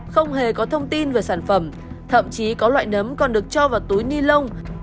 không hề có thông tin về sản phẩm thậm chí có loại nấm còn được cho vào túi ni lông